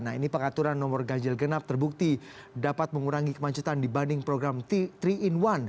nah ini pengaturan nomor ganjil genap terbukti dapat mengurangi kemacetan dibanding program tiga in satu